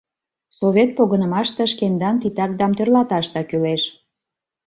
Совет погынымаште шкендан титакдам тӧрлаташда кӱлеш.